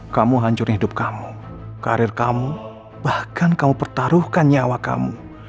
kamu hancur hidup kamu karir kamu bahkan kamu pertaruhkan nyawa kamu